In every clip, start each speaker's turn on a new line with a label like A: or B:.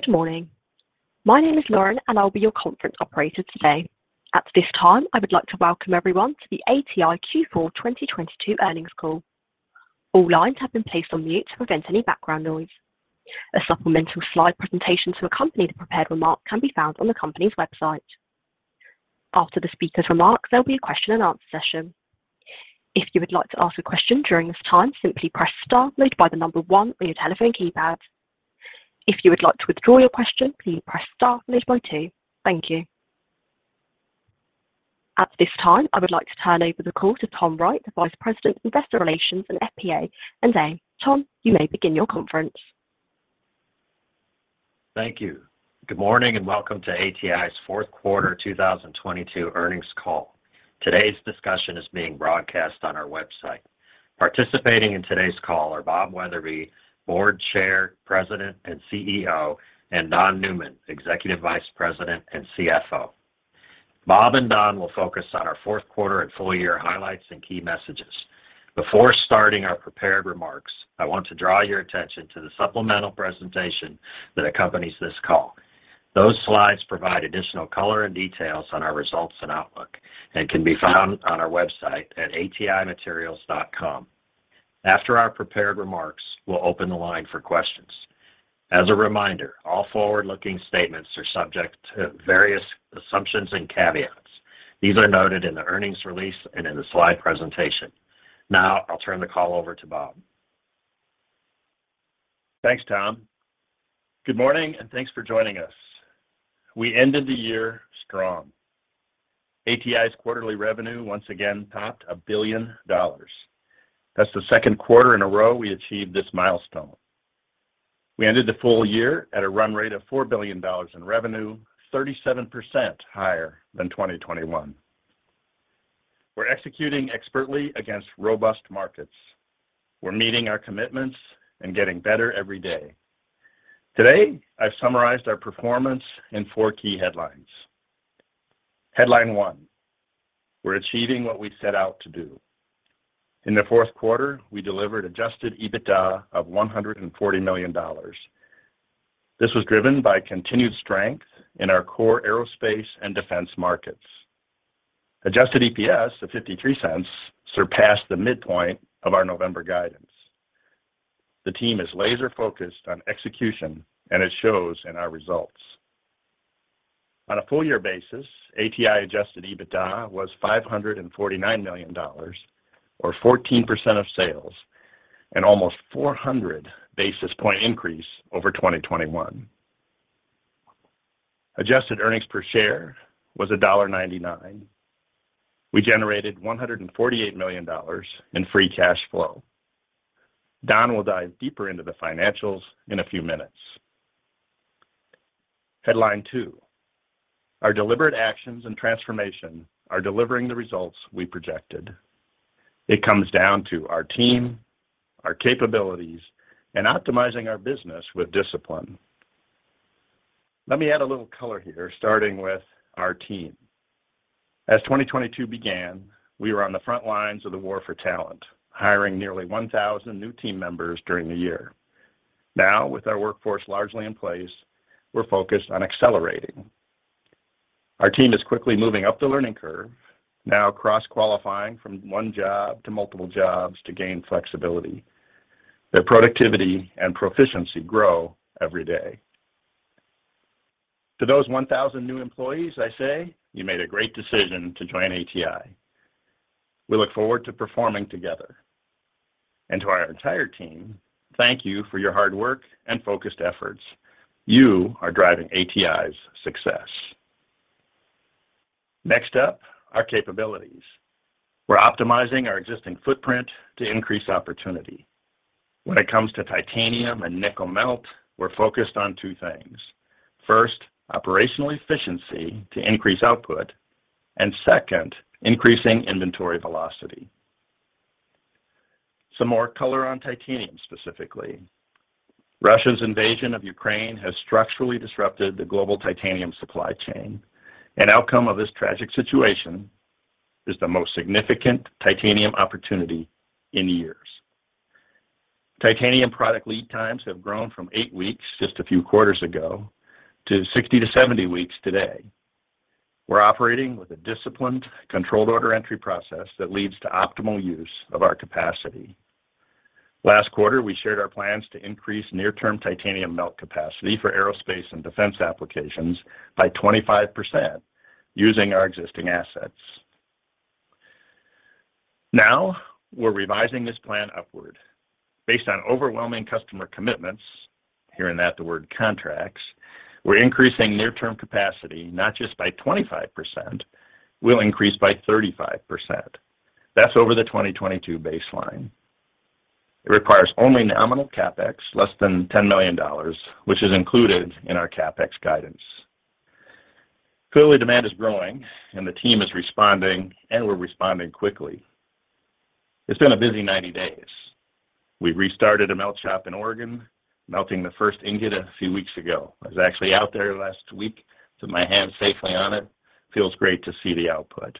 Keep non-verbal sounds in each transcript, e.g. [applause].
A: Good morning. My name is Lauren, and I'll be your conference operator today. At this time, I would like to Welcome everyone to the ATI Q4 2022 Earnings Call. All lines have been placed on mute to prevent any background noise. A supplemental slide presentation to accompany the prepared remarks can be found on the company's website. After the speaker's remarks, there'll be a question and answer session. If you would like to ask a question during this time, simply press star one on your telephone keypad. If you would like to withdraw your question, please press star two. Thank you. At this time, I would like to turn over the call to Tom Wright, the Vice President, Investor Relations and FP&A. Tom, you may begin your conference.
B: Thank you. Good morning, welcome to ATI's 4th quarter 2022 earnings call. Today's discussion is being broadcast on our website. Participating in today's call are Bob Wetherbee, Board Chair, President, and CEO, and Don Newman, Executive Vice President and CFO. Bob and Don will focus on our 4th quarter and full year highlights and key messages. Before starting our prepared remarks, I want to draw your attention to the supplemental presentation that accompanies this call. Those slides provide additional color and details on our results and outlook and can be found on our website at atimaterials.com. After our prepared remarks, we'll open the line for questions. As a reminder, all forward-looking statements are subject to various assumptions and caveats. These are noted in the earnings release and in the slide presentation. Now I'll turn the call over to Bob.
C: Thanks, Tom. Good morning, and thanks for joining us. We ended the year strong. ATI's quarterly revenue once again topped $1 billion. That's the 2nd quarter in a row we achieved this milestone. We ended the full year at a run rate of $4 billion in revenue, 37% higher than 2021. We're executing expertly against robust markets. We're meeting our commitments and getting better every day. Today, I've summarized our performance in four key headlines. Headline one, we're achieving what we set out to do. In the 4th quarter, we delivered adjusted EBITDA of $140 million. This was driven by continued strength in our core aerospace and defense markets. Adjusted EPS of $0.53 surpassed the midpoint of our November guidance. The team is laser-focused on execution, and it shows in our results. On a full year basis, ATI adjusted EBITDA was $549 million or 14% of sales, an almost 400 basis point increase over 2021. Adjusted earnings per share was $1.99. We generated $148 million in free cash flow. Don will dive deeper into the financials in a few minutes. Headline two, our deliberate actions and transformation are delivering the results we projected. It comes down to our team, our capabilities, and optimizing our business with discipline. Let me add a little color here, starting with our team. As 2022 began, we were on the front lines of the war for talent, hiring nearly 1,000 new team members during the year. Now, with our workforce largely in place, we're focused on accelerating. Our team is quickly moving up the learning curve, now cross-qualifying from one job to multiple jobs to gain flexibility. Their productivity and proficiency grow every day. To those 1,000 new employees, I say, you made a great decision to join ATI. We look forward to performing together. To our entire team, thank you for your hard work and focused efforts. You are driving ATI's success. Next up, our capabilities. We're optimizing our existing footprint to increase opportunity. When it comes to titanium and nickel melt, we're focused on two things. First, operational efficiency to increase output, and 2nd, increasing inventory velocity. Some more color on titanium, specifically. Russia's invasion of Ukraine has structurally disrupted the global titanium supply chain. An outcome of this tragic situation is the most significant titanium opportunity in years. Titanium product lead times have grown from eight weeks just a few quarters ago to 60-70 weeks today. We're operating with a disciplined, controlled order entry process that leads to optimal use of our capacity. Last quarter, we shared our plans to increase near-term titanium melt capacity for aerospace and defense applications by 25% using our existing assets. Now, we're revising this plan upward. Based on overwhelming customer commitments, hear in that the word contracts, we're increasing near-term capacity, not just by 25%. We'll increase by 35%. That's over the 2022 baseline. It requires only nominal CapEx, less than $10 million, which is included in our CapEx guidance. Clearly, demand is growing and the team is responding, and we're responding quickly. It's been a busy 90 days. We restarted a melt shop in Oregon, melting the 1st ingot a few weeks ago. I was actually out there last week, put my hand safely on it. Feels great to see the output.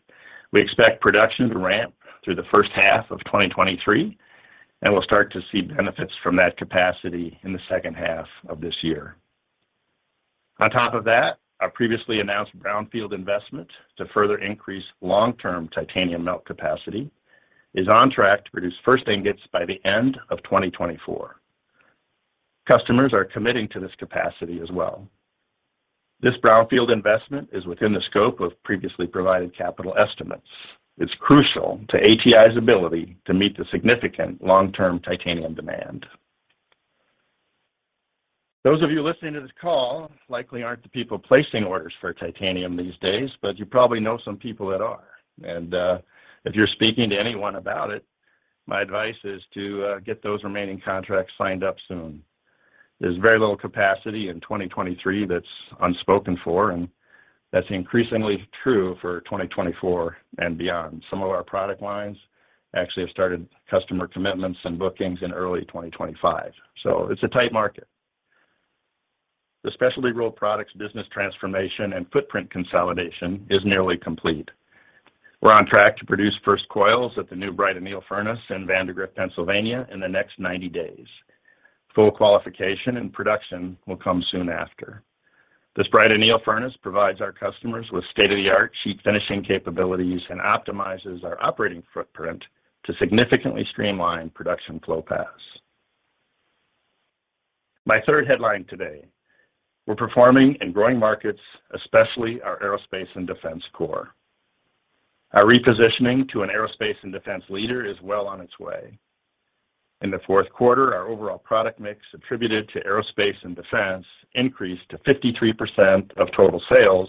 C: We expect production to ramp through the 1st half of 2023. We'll start to see benefits from that capacity in the 2nd half of this year. On top of that, our previously announced brownfield investment to further increase long-term titanium melt capacity is on track to produce 1st ingots by the end of 2024. Customers are committing to this capacity as well. This brownfield investment is within the scope of previously provided capital estimates. It's crucial to ATI's ability to meet the significant long-term titanium demand. Those of you listening to this call likely aren't the people placing orders for titanium these days, but you probably know some people that are. If you're speaking to anyone about it, my advice is to get those remaining contracts signed up soon. There's very little capacity in 2023 that's unspoken for. That's increasingly true for 2024 and beyond. Some of our product lines actually have started customer commitments and bookings in early 2025. It's a tight market. The specialty rolled products business transformation and footprint consolidation is nearly complete. We're on track to produce 1st coils at the new Bright Anneal Furnace in Vandergrift, Pennsylvania in the next 90 days. Full qualification and production will come soon after. This Bright Anneal Furnace provides our customers with state-of-the-art sheet finishing capabilities and optimizes our operating footprint to significantly streamline production flow paths. My 3rd headline today, we're performing in growing markets, especially our aerospace and defense core. Our repositioning to an aerospace and defense leader is well on its way. In the 4th quarter, our overall product mix attributed to aerospace and defense increased to 53% of total sales,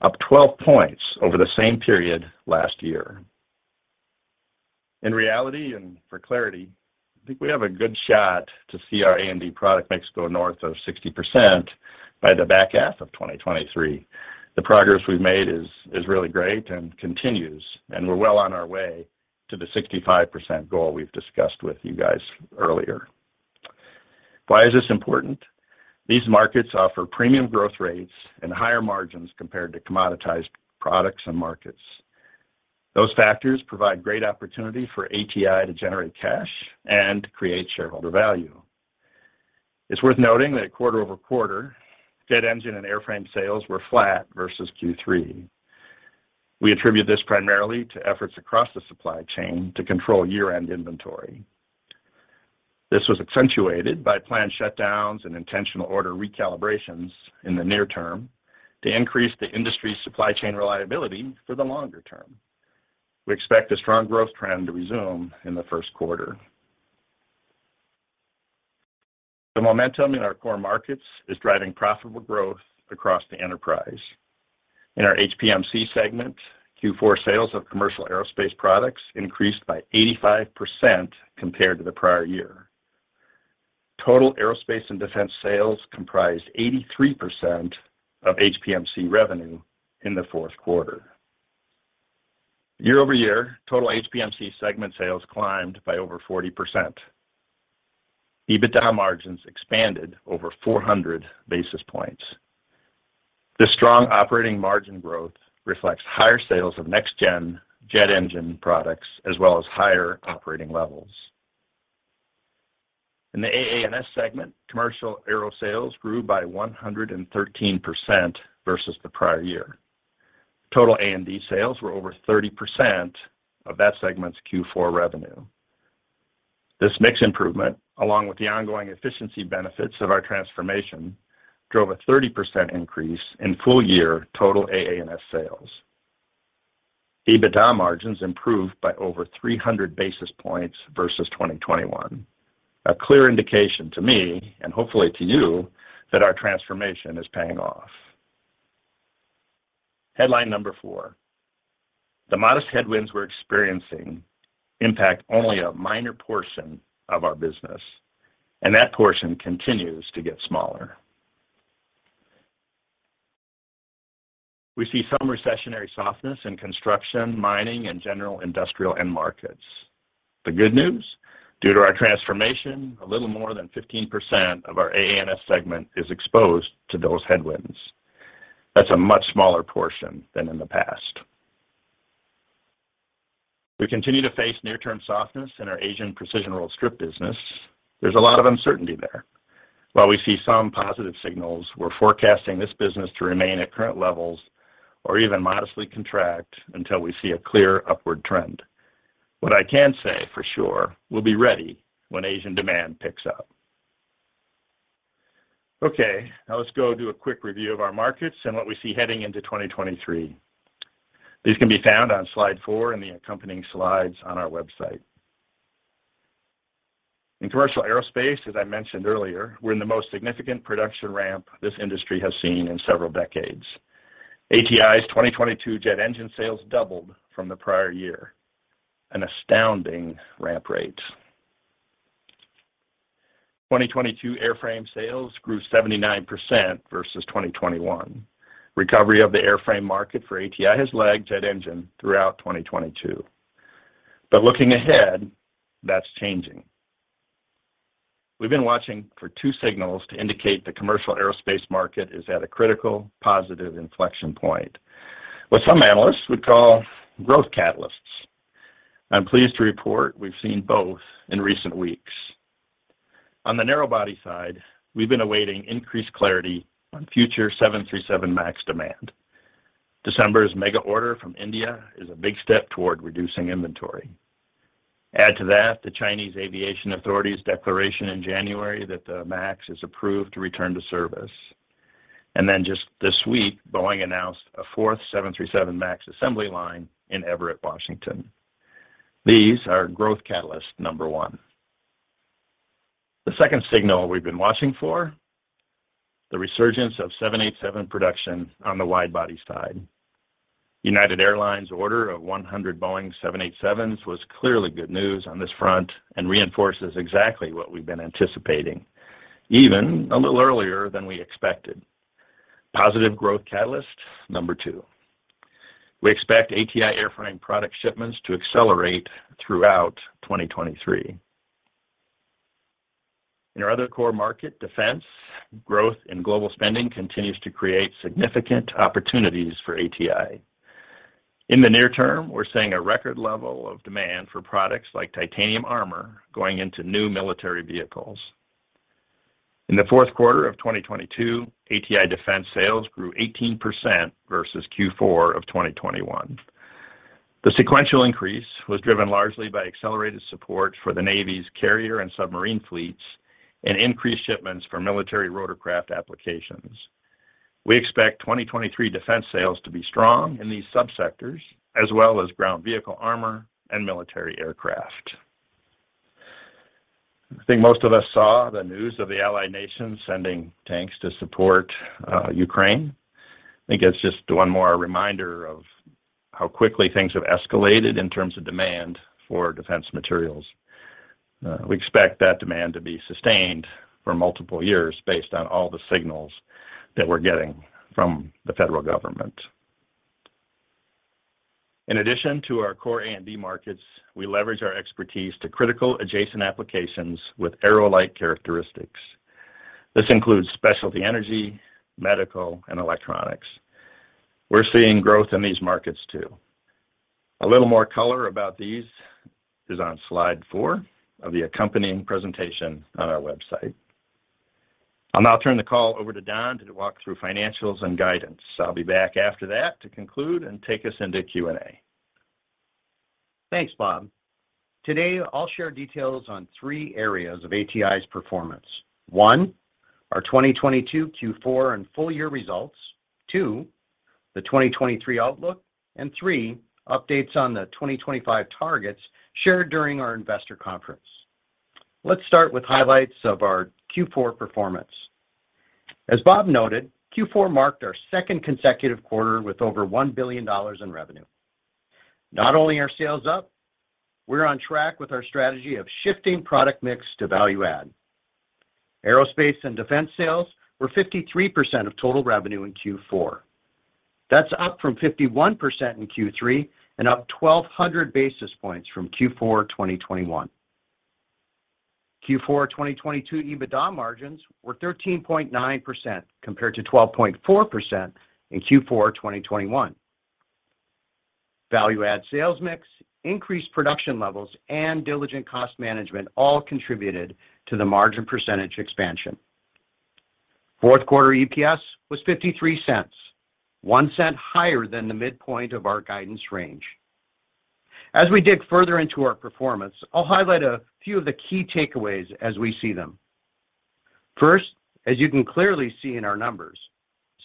C: up 12 points over the same period last year. In reality and for clarity, I think we have a good shot to see our A&D product mix go north of 60% by the back half of 2023. The progress we've made is really great and continues, and we're well on our way to the 65% goal we've discussed with you guys earlier. Why is this important? These markets offer premium growth rates and higher margins compared to commoditized products and markets. Those factors provide great opportunity for ATI to generate cash and create shareholder value. It's worth noting that quarter-over-quarter, jet engine and airframe sales were flat versus Q3. We attribute this primarily to efforts across the supply chain to control year-end inventory. This was accentuated by planned shutdowns and intentional order recalibrations in the near term to increase the industry's supply chain reliability for the longer term. We expect a strong growth trend to resume in the 1st quarter. The momentum in our core markets is driving profitable growth across the enterprise. In our HPMC segment, Q4 sales of commercial aerospace products increased by 85% compared to the prior year. Total aerospace and defense sales comprised 83% of HPMC revenue in the 4th quarter. Year-over-year, total HPMC segment sales climbed by over 40%. EBITDA margins expanded over 400 basis points. This strong operating margin growth reflects higher sales of next-gen jet engine products as well as higher operating levels. In the AANS segment, commercial aero sales grew by 113% versus the prior year. Total A&D sales were over 30% of that segment's Q4 revenue. This mix improvement, along with the ongoing efficiency benefits of our transformation, drove a 30% increase in full-year total AANS sales. EBITDA margins improved by over 300 basis points versus 2021. A clear indication to me, and hopefully to you, that our transformation is paying off. Headline number four. The modest headwinds we're experiencing impact only a minor portion of our business, and that portion continues to get smaller. We see some recessionary softness in construction, mining, and general industrial end markets. The good news? Due to our transformation, a little more than 15% of our AANS segment is exposed to those headwinds. That's a much smaller portion than in the past. We continue to face near-term softness in our Asian precision rolled strip business. There's a lot of uncertainty there. While we see some positive signals, we're forecasting this business to remain at current levels or even modestly contract until we see a clear upward trend. What I can say for sure, we'll be ready when Asian demand picks up. Now let's go do a quick review of our markets and what we see heading into 2023. These can be found on slide four in the accompanying slides on our website. In commercial aerospace, as I mentioned earlier, we're in the most significant production ramp this industry has seen in several decades. ATI's 2022 jet engine sales doubled from the prior year. An astounding ramp rate. 2022 airframe sales grew 79% versus 2021. Recovery of the airframe market for ATI has lagged jet engine throughout 2022. Looking ahead, that's changing. We've been watching for two signals to indicate the commercial aerospace market is at a critical positive inflection point, what some analysts would call growth catalysts. I'm pleased to report we've seen both in recent weeks. On the narrow-body side, we've been awaiting increased clarity on future 737 MAX demand. December's mega order from India is a big step toward reducing inventory. Add to that the Chinese aviation authorities' declaration in January that the MAX is approved to return to service. Just this week, Boeing announced a 4th 737 MAX assembly line in Everett, Washington. These are growth catalyst number one. The 2nd signal we've been watching for, the resurgence of 787 production on the wide-body side. United Airlines order of 100 Boeing 787s was clearly good news on this front and reinforces exactly what we've been anticipating, even a little earlier than we expected. Positive growth catalyst number two. We expect ATI airframe product shipments to accelerate throughout 2023. In our other core market, defense, growth in global spending continues to create significant opportunities for ATI. In the near term, we're seeing a record level of demand for products like titanium armor going into new military vehicles. In Q4 of 2022, ATI defense sales grew 18% versus Q4 of 2021. The sequential increase was driven largely by accelerated support for the Navy's carrier and submarine fleets and increased shipments for military rotorcraft applications. We expect 2023 defense sales to be strong in these subsectors, as well as ground vehicle armor and military aircraft. I think most of us saw the news of the allied nations sending tanks to support Ukraine. I think it's just one more reminder of how quickly things have escalated in terms of demand for defense materials. We expect that demand to be sustained for multiple years based on all the signals that we're getting from the federal government. In addition to our core A&D markets, we leverage our expertise to critical adjacent applications with aero-like characteristics. This includes specialty energy, medical, and electronics. We're seeing growth in these markets too. A little more color about these is on slide 4 of the accompanying presentation on our website. I'll now turn the call over to Don to walk through financials and guidance. I'll be back after that to conclude and take us into Q&A.
D: Thanks, Bob. Today, I'll share details on three areas of ATI's performance. One, our 2022 Q4 and full year results. Two, the 2023 outlook. Three, updates on the 2025 targets shared during our investor conference. Let's start with highlights of our Q4 performance. As Bob noted, Q4 marked our 2nd consecutive quarter with over $1 billion in revenue. Not only are sales up, we're on track with our strategy of shifting product mix to value add. Aerospace and defense sales were 53% of total revenue in Q4. That's up from 51% in Q3 and up 1,200 basis points from Q4 2021. Q4 2022 EBITDA margins were 13.9% compared to 12.4% in Q4 2021. Value add sales mix, increased production levels, and diligent cost management all contributed to the margin percentage expansion. Fourth quarter EPS was $0.53, $0.01 higher than the midpoint of our guidance range. As we dig further into our performance, I'll highlight a few of the key takeaways as we see them. First, as you can clearly see in our numbers,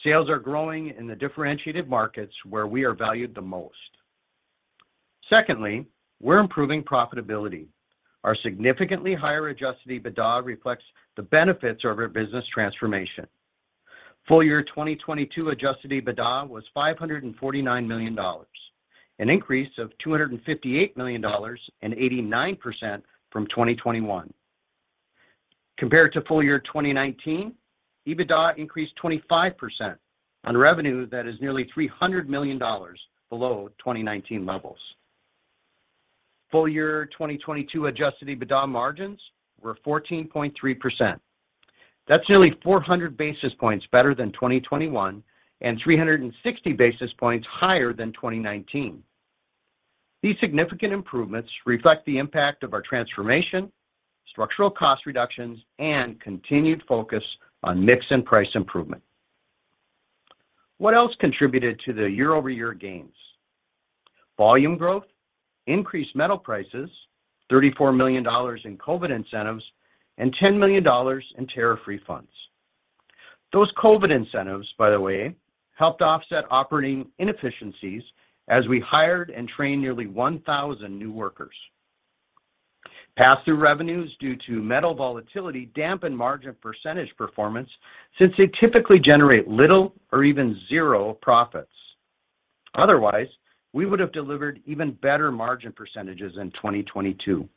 D: sales are growing in the differentiated markets where we are valued the most. Secondly, we're improving profitability. Our significantly higher adjusted EBITDA reflects the benefits of our business transformation. Full year 2022 adjusted EBITDA was $549 million, an increase of $258 million and 89% from 2021. Compared to full year 2019, EBITDA increased 25% on revenue that is nearly $300 million below 2019 levels. Full year 2022 adjusted EBITDA margins were 14.3%. That's nearly 400 basis points better than 2021 and 360 basis points higher than 2019. These significant improvements reflect the impact of our transformation, structural cost reductions, and continued focus on mix and price improvement. What else contributed to the year-over-year gains? Volume growth, increased metal prices, $34 million in COVID incentives, and $10 million in tariff refunds. Those COVID incentives, by the way, helped offset operating inefficiencies as we hired and trained nearly 1,000 new workers. Pass-through revenues due to metal volatility dampened margin percentage performance since they typically generate little or even zero profits. Otherwise, we would have delivered even better margin percentages in 2022.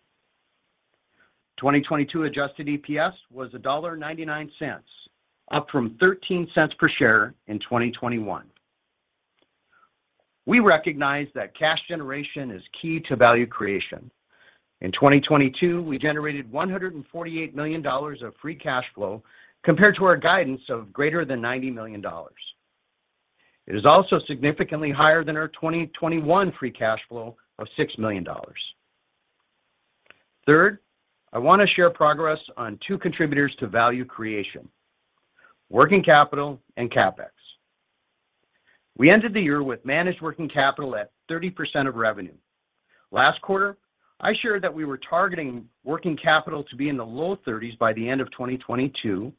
D: 2022 adjusted EPS was $1.99, up from $0.13 per share in 2021. We recognize that cash generation is key to value creation. In 2022, we generated $148 million of free cash flow compared to our guidance of greater than $90 million. It is also significantly higher than our 2021 free cash flow of $6 million. Third, I want to share progress on two contributors to value creation, working capital and CapEx. We ended the year with managed working capital at 30% of revenue. Last quarter, I shared that we were targeting working capital to be in the low 30s by the end of 2022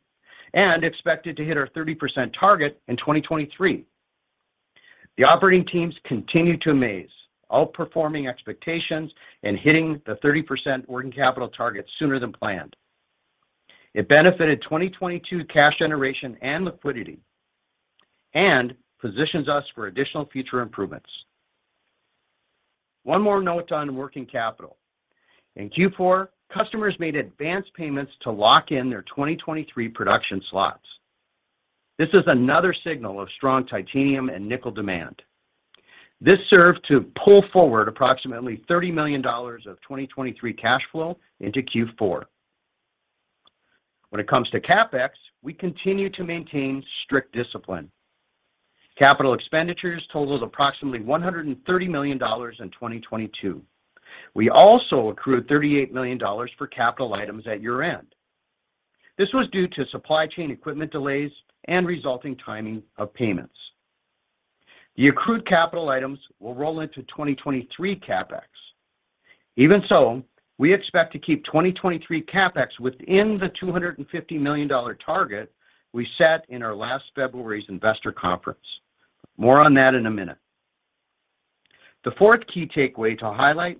D: and expected to hit our 30% target in 2023. The operating teams continue to amaze, outperforming expectations and hitting the 30% working capital target sooner than planned. It benefited 2022 cash generation and liquidity and positions us for additional future improvements. One more note on working capital. In Q4, customers made advance payments to lock in their 2023 production slots. This is another signal of strong titanium and nickel demand. This served to pull forward approximately $30 million of 2023 cash flow into Q4. When it comes to CapEx, we continue to maintain strict discipline. Capital expenditures totaled approximately $130 million in 2022. We also accrued $38 million for capital items at year-end. This was due to supply chain equipment delays and resulting timing of payments. The accrued capital items will roll into 2023 CapEx. Even so, we expect to keep 2023 CapEx within the $250 million target we set in our last February's investor conference. More on that in a minute. The 4th key takeaway to highlight,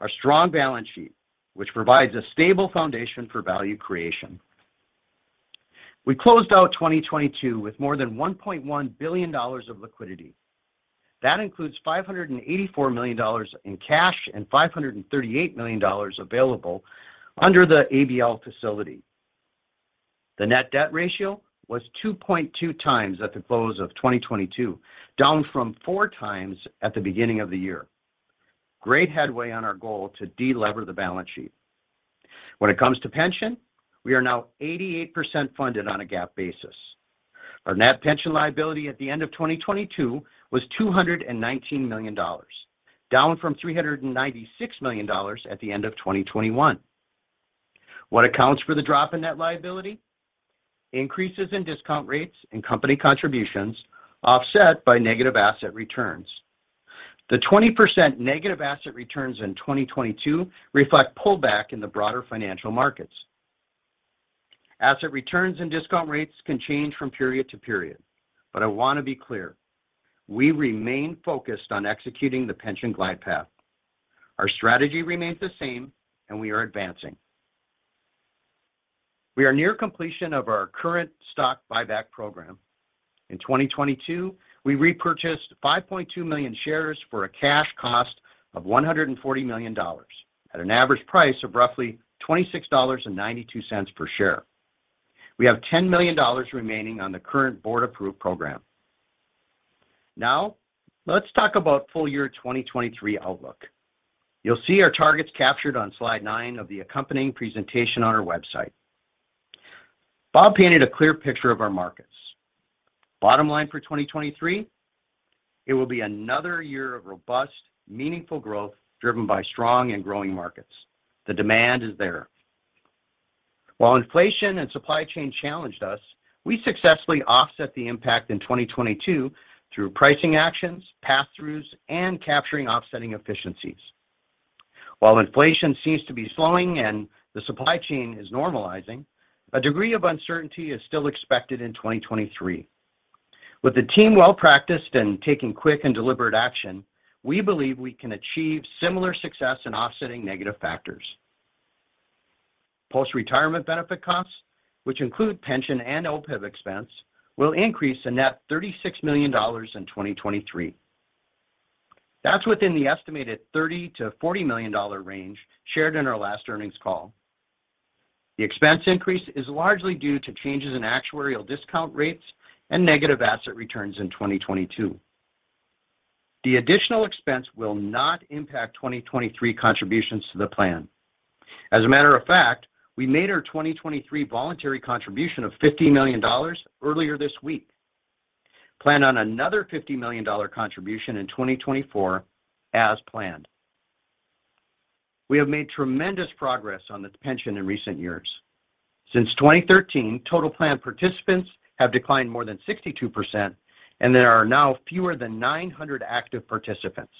D: our strong balance sheet, which provides a stable foundation for value creation. We closed out 2022 with more than $1.1 billion of liquidity. That includes $584 million in cash and $538 million available under the ABL facility. The net debt ratio was 2.2x at the close of 2022, down from 4x at the beginning of the year. Great headway on our goal to de-lever the balance sheet. When it comes to pension, we are now 88% funded on a GAAP basis. Our net pension liability at the end of 2022 was $219 million, down from $396 million at the end of 2021. What accounts for the drop in net liability? Increases in discount rates and company contributions offset by negative asset returns. The 20% negative asset returns in 2022 reflect pullback in the broader financial markets. Asset returns and discount rates can change from period to period. I want to be clear, we remain focused on executing the pension glide path. Our strategy remains the same and we are advancing. We are near completion of our current stock buyback program. In 2022, we repurchased 5.2 million shares for a cash cost of $140 million at an average price of roughly $26.92 per share. We have $10 million remaining on the current board-approved program. Let's talk about full year 2023 outlook. You'll see our targets captured on slide nine of the accompanying presentation on our website. Bob painted a clear picture of our markets. Bottom line for 2023, it will be another year of robust, meaningful growth driven by strong and growing markets. The demand is there. While inflation and supply chain challenged us, we successfully offset the impact in 2022 through pricing actions, passthroughs, and capturing offsetting efficiencies. While inflation seems to be slowing and the supply chain is normalizing, a degree of uncertainty is still expected in 2023. With the team well-practiced and taking quick and deliberate action, we believe we can achieve similar success in offsetting negative factors. Post-retirement benefit costs, which include pension and OPEB expense, will increase to net $36 million in 2023. That's within the estimated $30 million-$40 million range shared in our last earnings call. The expense increase is largely due to changes in actuarial discount rates and negative asset returns in 2022. The additional expense will not impact 2023 contributions to the plan. As a matter of fact, we made our 2023 voluntary contribution of $50 million earlier this week. Plan on another $50 million contribution in 2024 as planned. We have made tremendous progress on the pension in recent years. Since 2013, total plan participants have declined more than 62%, and there are now fewer than 900 active participants.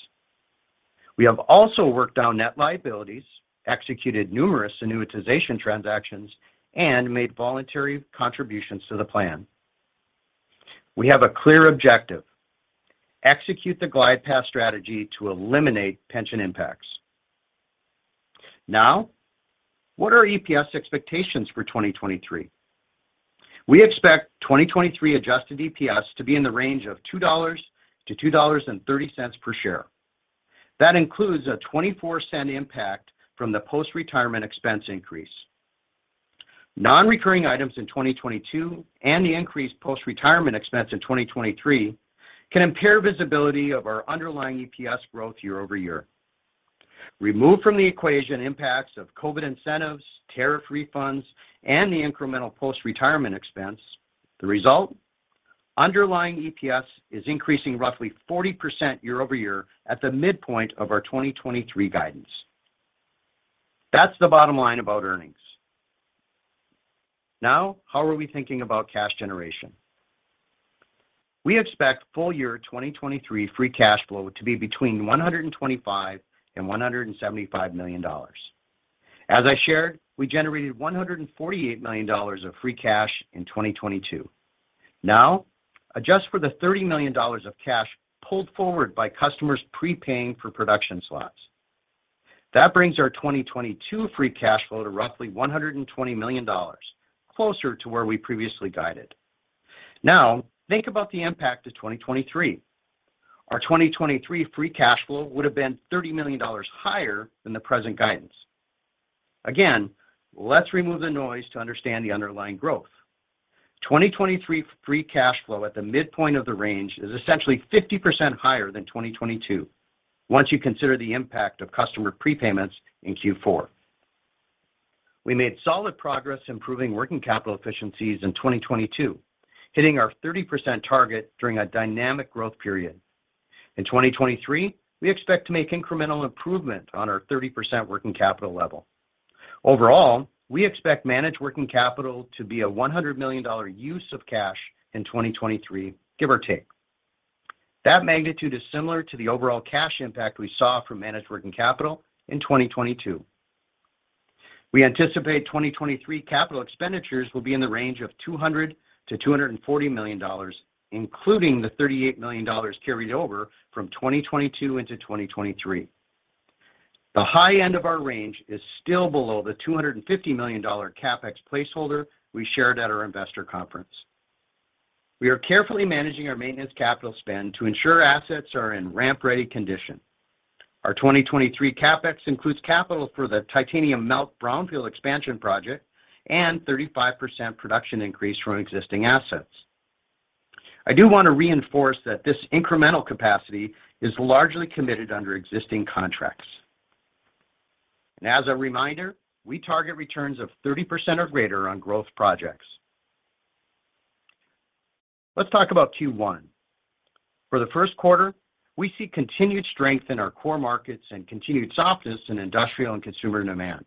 D: We have also worked down net liabilities, executed numerous annuitization transactions, and made voluntary contributions to the plan. We have a clear objective, execute the glide path strategy to eliminate pension impacts. What are EPS expectations for 2023? We expect 2023 adjusted EPS to be in the range of $2.00-$2.30 per share. That includes a $0.24 impact from the post-retirement expense increase. Nonrecurring items in 2022 and the increased post-retirement expense in 2023 can impair visibility of our underlying EPS growth year-over-year. Remove from the equation impacts of COVID incentives, tariff refunds, and the incremental post-retirement expense. The result, underlying EPS is increasing roughly 40% year-over-year at the midpoint of our 2023 guidance. That's the bottom line about earnings. How are we thinking about cash generation? We expect full year 2023 free cash flow to be between $125 million and $175 million. As I shared, we generated $148 million of free cash in 2022. Adjust for the $30 million of cash pulled forward by customers pre-paying for production slots. That brings our 2022 free cash flow to roughly $120 million, closer to where we previously guided. Now, think about the impact to 2023. Our 2023 free cash flow would have been $30 million higher than the present guidance. Again, let's remove the noise to understand the underlying growth. 2023 free cash flow at the midpoint of the range is essentially 50% higher than 2022 once you consider the impact of customer prepayments in Q4. We made solid progress improving working capital efficiencies in 2022, hitting our 30% target during a dynamic growth period. In 2023, we expect to make incremental improvement on our 30% working capital level. Overall, we expect managed working capital to be a $100 million use of cash in 2023, give or take. That magnitude is similar to the overall cash impact we saw from managed working capital in 2022. We anticipate 2023 capital expenditures will be in the range of $200 million-$240 million, including the $38 million carried over from 2022 into 2023. The high end of our range is still below the $250 million CapEx placeholder we shared at our investor conference. We are carefully managing our maintenance capital spend to ensure assets are in ramp-ready condition. Our 2023 CapEx includes capital for the titanium melt brownfield expansion project and 35% production increase from existing assets. I do want to reinforce that this incremental capacity is largely committed under existing contracts. As a reminder, we target returns of 30% or greater on growth projects. Let's talk about Q1. For the 1st quarter, we see continued strength in our core markets and continued softness in industrial and consumer demand.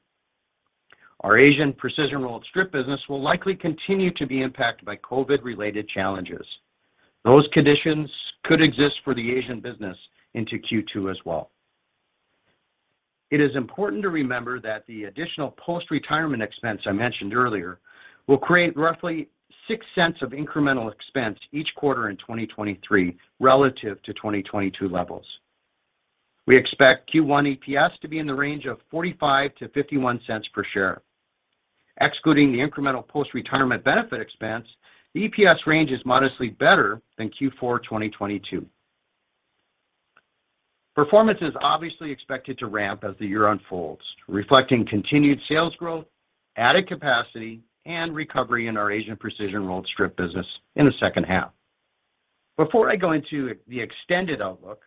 D: Our Asian precision rolled strip business will likely continue to be impacted by COVID-related challenges. Those conditions could exist for the Asian business into Q2 as well. It is important to remember that the additional post-retirement expense I mentioned earlier will create roughly $0.06 of incremental expense each quarter in 2023 relative to 2022 levels. We expect Q1 EPS to be in the range of $0.45-$0.51 per share. Excluding the incremental post-retirement benefit expense, the EPS range is modestly better than Q4 2022. Performance is obviously expected to ramp as the year unfolds, reflecting continued sales growth, added capacity, and recovery in our Asian precision rolled strip business in the 2nd half. Before I go into the extended outlook,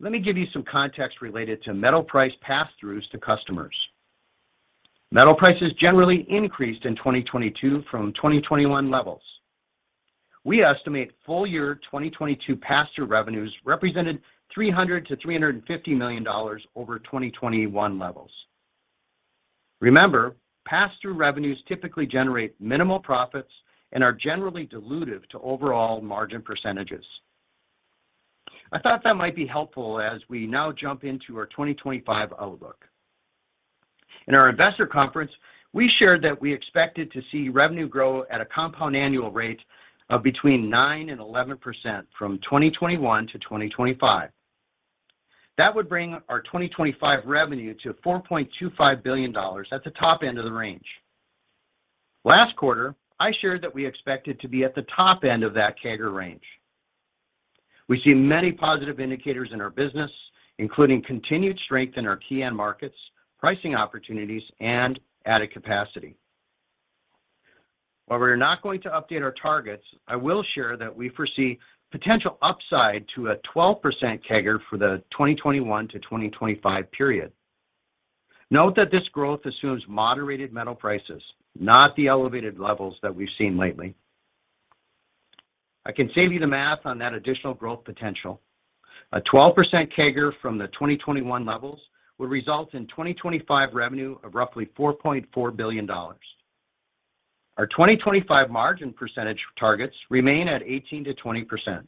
D: let me give you some context related to metal price passthroughs to customers. Metal prices generally increased in 2022 from 2021 levels. We estimate full year 2022 passthrough revenues represented $300 million-$350 million over 2021 levels. Remember, passthrough revenues typically generate minimal profits and are generally dilutive to overall margin percentages. I thought that might be helpful as we now jump into our 2025 outlook. In our investor conference, we shared that we expected to see revenue grow at a compound annual rate of between 9% and 11% from 2021-2025. That would bring our 2025 revenue to $4.25 billion at the top end of the range. Last quarter, I shared that we expected to be at the top end of that CAGR range. We see many positive indicators in our business, including continued strength in our key end markets, pricing opportunities, and added capacity. While we're not going to update our targets, I will share that we foresee potential upside to a 12% CAGR for the 2021-2025 period. Note that this growth assumes moderated metal prices, not the elevated levels that we've seen lately. I can save you the math on that additional growth potential. A 12% CAGR from the 2021 levels will result in 2025 revenue of roughly $4.4 billion. Our 2025 margin percentage targets remain at 18%-20%.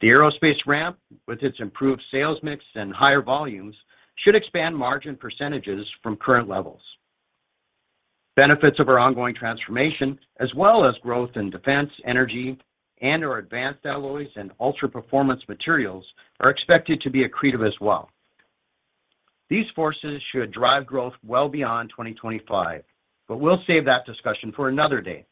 D: The aerospace ramp, with its improved sales mix and higher volumes, should expand margin percentages from current levels. Benefits of our ongoing transformation, as well as growth in defense, energy, and our advanced alloys and ultra-performance materials, are expected to be accretive as well. These forces should drive growth well beyond 2025. We'll save that discussion for another day.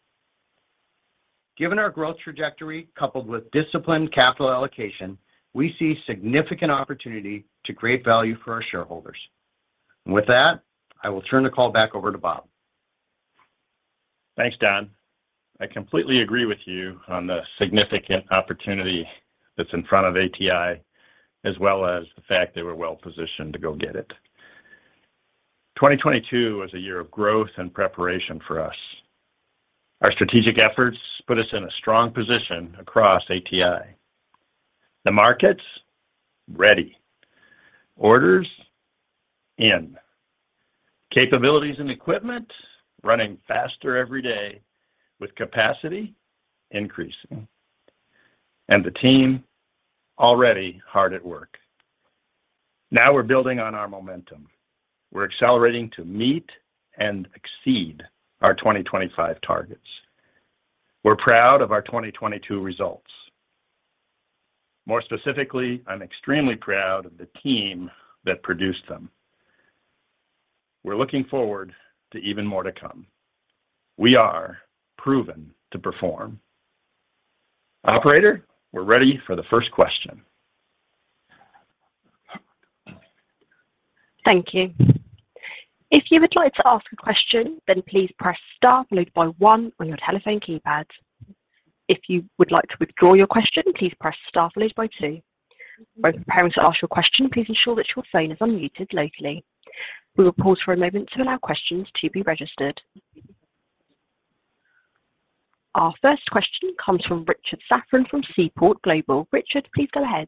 D: Given our growth trajectory coupled with disciplined capital allocation, we see significant opportunity to create value for our shareholders. With that, I will turn the call back over to Bob.
C: Thanks, Don. I completely agree with you on the significant opportunity that's in front of ATI, as well as the fact that we're well-positioned to go get it. 2022 was a year of growth and preparation for us. Our strategic efforts put us in a strong position across ATI. The markets, ready. Orders, in. Capabilities and equipment, running faster every day with capacity increasing. The team already hard at work. Now we're building on our momentum. We're accelerating to meet and exceed our 2025 targets. We're proud of our 2022 results. More specifically, I'm extremely proud of the team that produced them. We're looking forward to even more to come. We are proven to perform. Operator, we're ready for the 1st question.
A: Thank you. If you would like to ask a question, please press star followed by one on your telephone keypad. If you would like to withdraw your question, please press star followed by two. When preparing to ask your question, please ensure that your phone is unmuted locally. We will pause for a moment to allow questions to be registered. Our 1st question comes from Richard Safran from Seaport Global. Richard, please go ahead.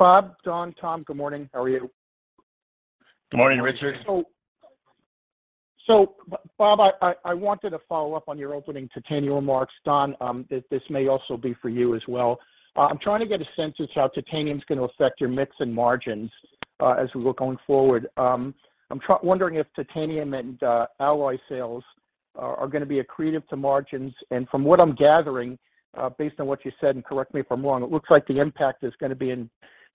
E: Bob, Don, Tom, good morning. How are you?
C: Good morning, Richard.
E: Bob, I wanted to follow up on your opening titanium remarks. Don, this may also be for you as well. I'm trying to get a sense as to how titanium's gonna affect your mix and margins as we look going forward. I'm wondering if titanium and alloy sales are gonna be accretive to margins. From what I'm gathering, based on what you said, and correct me if I'm wrong, it looks like the impact is gonna be in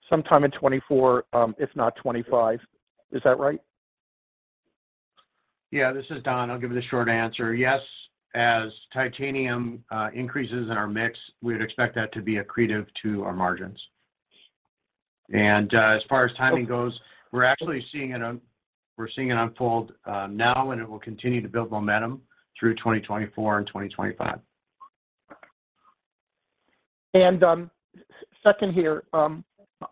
E: sometime in 2024, if not 2025. Is that right?
D: Yeah. This is Don. I'll give you the short answer. Yes, as titanium increases in our mix, we would expect that to be accretive to our margins. As far as timing goes, we're actually seeing it unfold now, and it will continue to build momentum through 2024 and 2025.
E: Second here.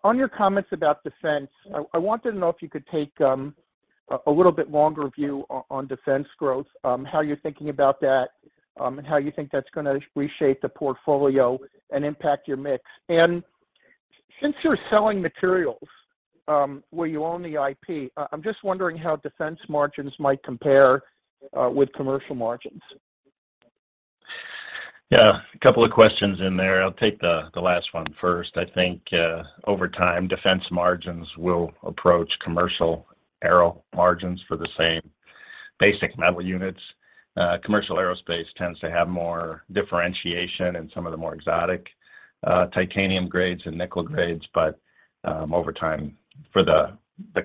E: On your comments about defense, I wanted to know if you could take a little bit longer view on defense growth, how you're thinking about that, and how you think that's gonna reshape the portfolio and impact your mix. Since you're selling materials, where you own the IP, I'm just wondering how defense margins might compare with commercial margins.
C: Yeah. A couple of questions in there. I'll take the last one 1st. I think over time, defense margins will approach commercial aero margins for the same basic metal units. Commercial aerospace tends to have more differentiation in some of the more exotic titanium grades and nickel grades, but over time, for the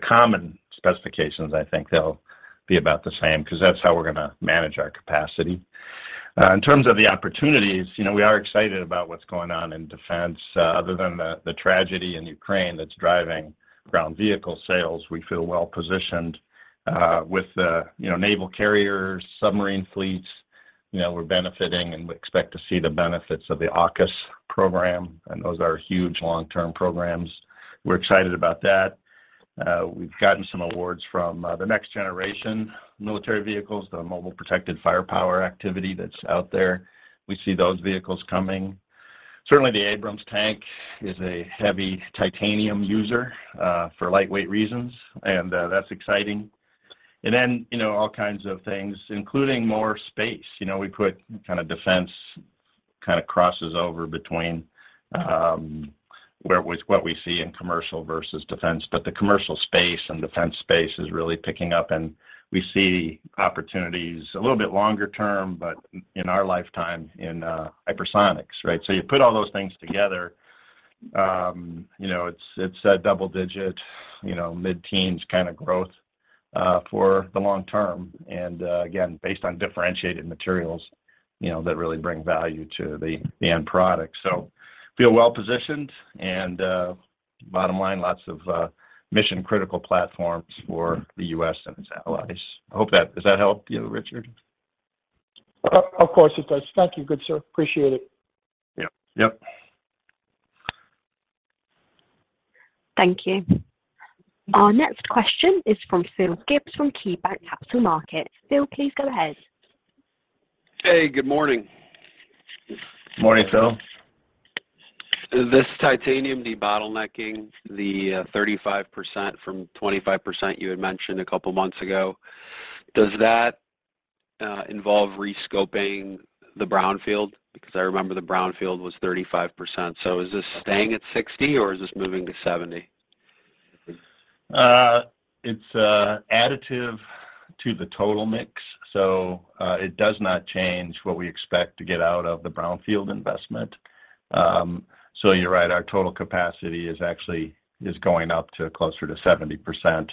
C: common specifications, I think they'll be about the same, 'cause that's how we're gonna manage our capacity. In terms of the opportunities, you know, we are excited about what's going on in defense. Other than the tragedy in Ukraine that's driving ground vehicle sales, we feel well-positioned, with the, you know, naval carriers, submarine fleets. You know, we're benefiting, and we expect to see the benefits of the AUKUS program, and those are huge long-term programs. We're excited about that. We've gotten some awards from the next generation military vehicles, the Mobile Protected Firepower activity that's out there. We see those vehicles coming. Certainly, the Abrams tank is a heavy titanium user, for lightweight reasons, and that's exciting. You know, all kinds of things, including more space. You know, we put kinda defense kinda crosses over between with what we see in commercial versus defense, but the commercial space and defense space is really picking up, and we see opportunities a little bit longer term, but in our lifetime in hypersonics, right? You put all those things together, you know, it's a double-digit, you know, mid-teens kinda growth, for the long term, and again, based on differentiated materials, you know, that really bring value to the end product. Feel well-positioned, and bottom line, lots of mission-critical platforms for the U.S. and its allies. Does that help you, Richard?
E: Of course it does. Thank you, good sir. Appreciate it.
C: Yep. Yep.
A: Thank you. Our next question is from Phil Gibbs from KeyBanc Capital Markets. Phil, please go ahead.
F: Hey, good morning.
C: Morning, Phil.
F: This titanium debottlenecking, the 35% from 25% you had mentioned a couple months ago, does that involve re-scoping the brownfield? I remember the brownfield was 35%. Is this staying at 60% or is this moving to 70%?
C: It's additive to the total mix, so it does not change what we expect to get out of the brownfield investment. You're right, our total capacity is actually going up to closer to 70%.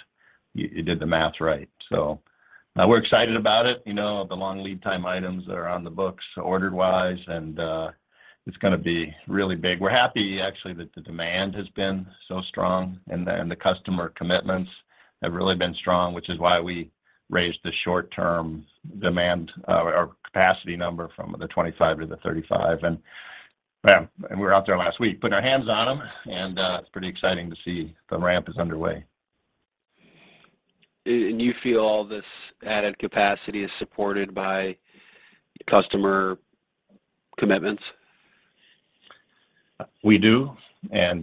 C: You did the math right. Now we're excited about it, you know, the long lead time items that are on the books ordered-wise, it's gonna be really big. We're happy actually that the demand has been so strong and the customer commitments have really been strong, which is why we raised the short term demand or capacity number from the 25% to the 35%. Well, we were out there last week putting our hands on them, it's pretty exciting to see the ramp is underway.
F: You feel all this added capacity is supported by customer commitments?
C: We do. It's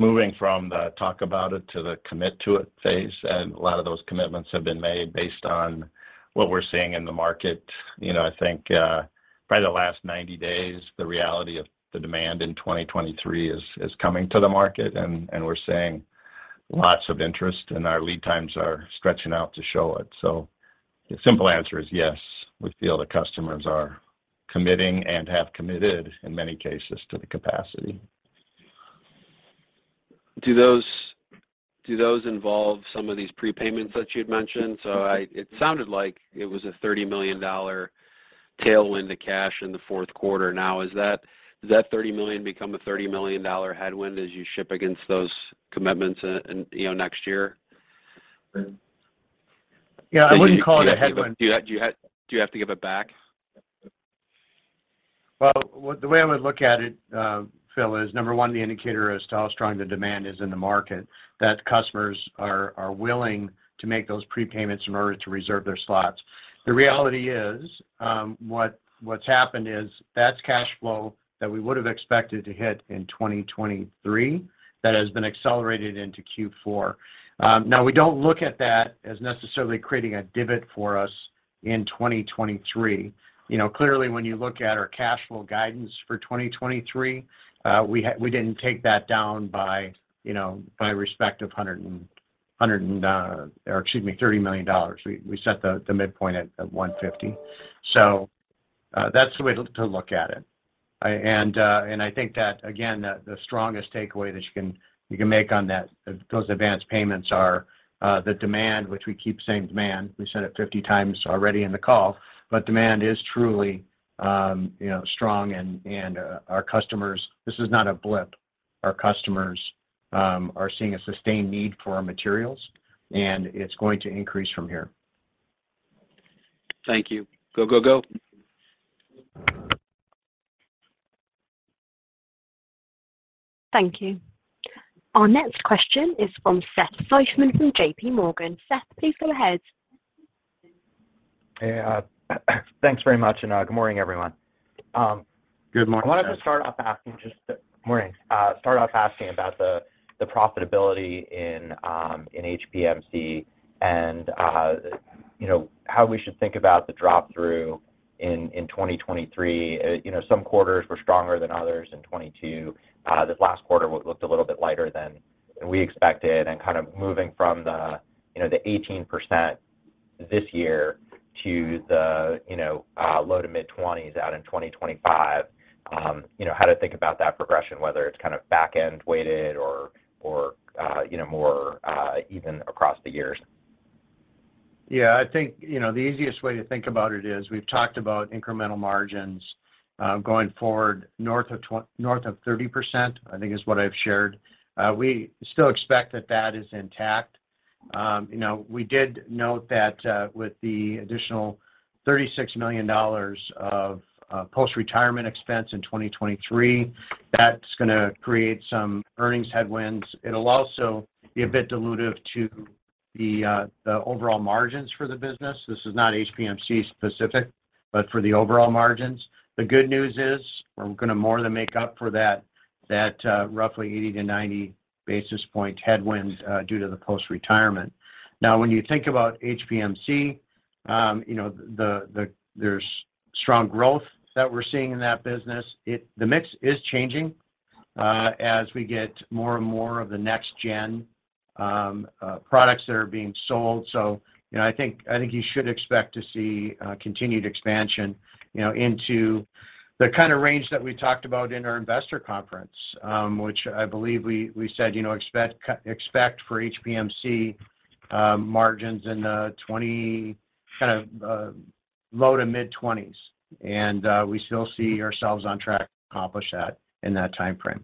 C: moving from the talk about it to the commit to it phase. A lot of those commitments have been made based on what we're seeing in the market. You know, I think, probably the last 90 days, the reality of the demand in 2023 is coming to the market and we're seeing lots of interest, and our lead times are stretching out to show it. The simple answer is yes, we feel the customers are committing and have committed in many cases to the capacity.
F: Do those involve some of these prepayments that you'd mentioned? It sounded like it was a $30 million tailwind to cash in the 4th quarter. Is that, does that $30 million become a $30 million headwind as you ship against those commitments, you know, next year?
D: [crosstalk]
F: Do you have to give it back?
D: Well, the way I would look at it, Phil, is number one, the indicator as to how strong the demand is in the market that customers are willing to make those prepayments in order to reserve their slots. The reality is, what's happened is that's cash flow that we would've expected to hit in 2023 that has been accelerated into Q4. We don't look at that as necessarily creating a divot for us in 2023. You know, clearly when you look at our cash flow guidance for 2023, we didn't take that down by, you know, by respect of $30 million. We set the midpoint at $150 million. That's the way to look at it. I think that again, the strongest takeaway that you can make on that, those advanced payments are the demand, which we keep saying demand. We said it 50x already in the call. Demand is truly, you know, strong and this is not a blip. Our customers are seeing a sustained need for our materials. It's going to increase from here.
F: Thank you. Go, go.
A: Thank you. Our next question is from Seth Seifman from J.P. Morgan. Seth, please go ahead.
G: Hey, thanks very much and, good morning everyone.
D: Good morning, Seth.
G: I wanted to start off asking Morning. start off asking about the profitability in HPMC and, you know, how we should think about the drop through in 2023. You know, some quarters were stronger than others in 2022. This last quarter looked a little bit lighter than we expected, and kind of moving from the, you know, the 18% this year to the, you know, low to mid-20s out in 2025. You know, how to think about that progression, whether it's kind of back-end weighted or, you know, more, even across the years.
D: Yeah. I think, you know, the easiest way to think about it is we've talked about incremental margins going forward north of 30%, I think is what I've shared. We still expect that is intact. You know, we did note that with the additional $36 million of post-retirement expense in 2023, that's gonna create some earnings headwinds. It'll also be a bit dilutive to the overall margins for the business. This is not HPMC specific, but for the overall margins. The good news is we're gonna more than make up for that roughly 80 basis point-90 basis point headwinds due to the post-retirement. Now, when you think about HPMC, you know, there's strong growth that we're seeing in that business. The mix is changing, as we get more and more of the next-gen products that are being sold. You know, I think you should expect to see continued expansion, you know, into the kind of range that we talked about in our investor conference, which I believe we said, you know, expect for HPMC margins in the 20 kind of low to mid-20s. We still see ourselves on track to accomplish that in that timeframe.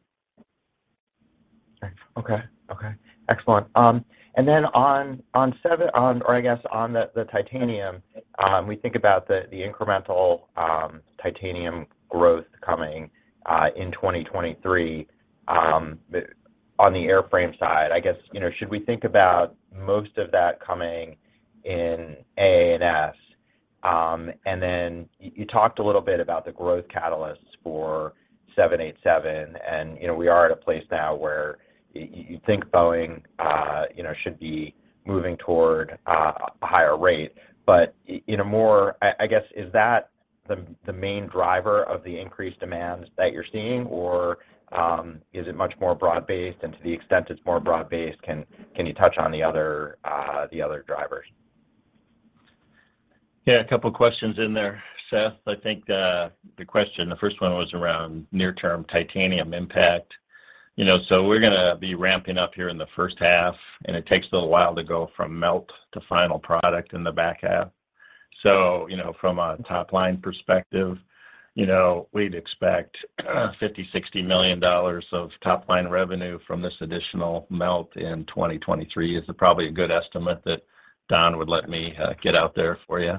G: Okay. Okay. Excellent. Then on the titanium, we think about the incremental titanium growth coming in 2023. On the airframe side, I guess, you know, should we think about most of that coming in A&D? Then you talked a little bit about the growth catalysts for 787 and, you know, we are at a place now where you think Boeing, you know, should be moving toward a higher rate. I guess, is that the main driver of the increased demand that you're seeing, or is it much more broad-based? To the extent it's more broad-based, can you touch on the other drivers?
C: A couple questions in there, Seth. I think the question, the 1st one was around near term titanium impact. You know, we're gonna be ramping up here in the 1st half, and it takes a little while to go from melt to final product in the back half. You know, from a top line perspective, you know, we'd expect $50 million-$60 million of top line revenue from this additional melt in 2023, is probably a good estimate that Don would let me get out there for you.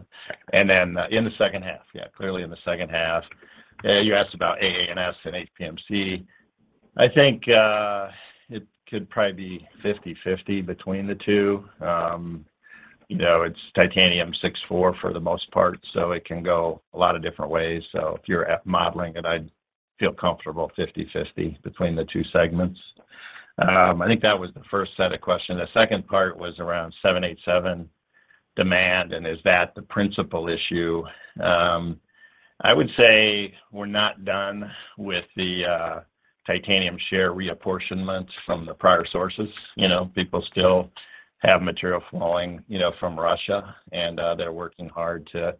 C: In the 2nd half, yeah, clearly in the 2nd half. You asked about AANS and HPMC. I think it could probably be 50/50 between the two. You know, it's titanium six-four for the most part, so it can go a lot of different ways. If you're at modeling it, I'd feel comfortable 50/50 between the two segments. I think that was the 1st set of questions. The 2nd part was around 787 demand, and is that the principal issue? I would say we're not done with the titanium share reapportionment from the prior sources. You know, people still have material flowing, you know, from Russia, and they're working hard to